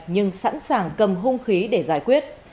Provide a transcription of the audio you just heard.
nhưng sẵn sàng cầm hung khí để giải quyết